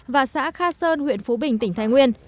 và xã kha sơn huyện phú bình tỉnh thái nguyên